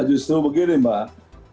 justru begini mbak